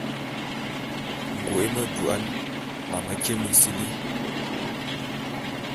Ngoe medouan, mametye minsili.